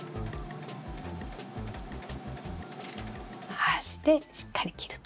端でしっかり切ると。